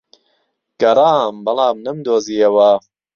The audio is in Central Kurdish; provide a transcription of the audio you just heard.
گەڕام، بەڵام نەمدۆزییەوە.